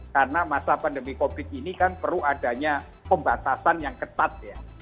karena masa pandemi covid ini kan perlu adanya pembatasan yang ketat